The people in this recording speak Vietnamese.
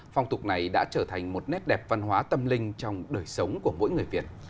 phong tục này đã trở thành một nét đẹp văn hóa tâm linh trong đời sống của mỗi người việt